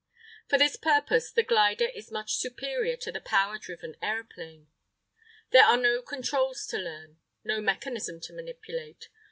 For this purpose the glider is much superior to the power driven aeroplane. There are no controls to learn, no mechanism to manipulate.